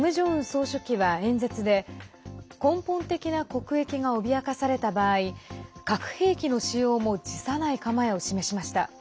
総書記は演説で根本的な国益が脅かされた場合核兵器の使用も辞さない構えを示しました。